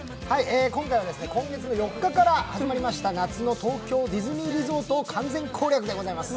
今回は今月の４日から始まりました夏の東京ディズニーリゾートを完全攻略でございます。